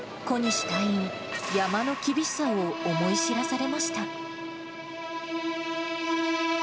小西隊員、山の厳しさを思い知らされました。